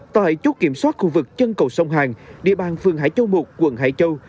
tại chốt kiểm soát khu vực chân cầu sông hàng địa bàn phường hải châu một quận hải châu